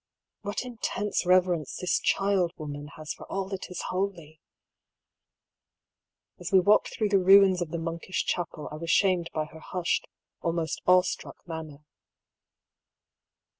What intense reverence this childwoman has for all that is holy ! As we walked through the ruins of the monkish chapel I was shamed by her hushed, almost awe struck manner.